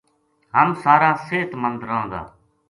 ہم سارا صحت مند راہاں گا